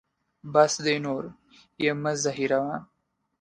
بس دی نور یې مه زهیروه.